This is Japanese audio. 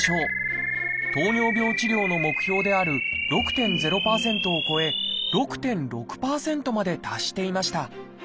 糖尿病治療の目標である６．０％を超え６．６％まで達していました。